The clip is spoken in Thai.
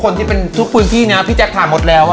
เจ็บชุดหี้ยีนมากเลยอ่ะ